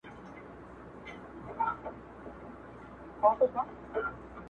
غزل نه نېښ ساز کړي لړم ساز کړي~